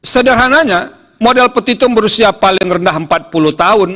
sederhananya model petitum berusia paling rendah empat puluh tahun